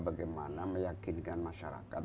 bagaimana meyakinkan masyarakat